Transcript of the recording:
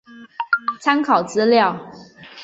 参考资料